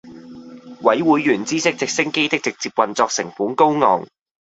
委會員知悉直升機的直接運作成本高昂